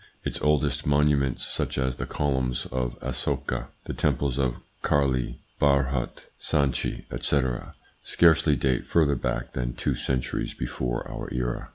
Its oldest monuments, such as the columns of Asoka, the temples of Karli, Bharhut, Sanchi, etc., scarcely date further back than two centuries before our era.